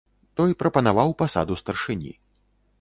Той прапанаваў пасаду старшыні.